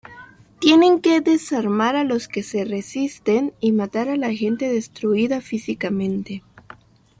Tienen que desarmar a los que resisten y matar a la gente destruida físicamente".